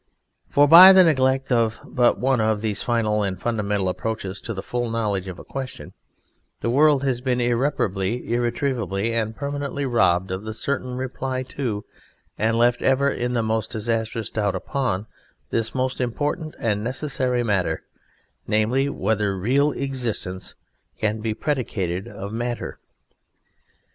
For by the neglect of but one of these final and fundamental approaches to the full knowledge of a question the world has been irreparably, irretrievably and permanently robbed of the certain reply to, and left ever in the most disastrous doubt upon, this most important and necessary matter namely, _whether real existence can be predicated of matter.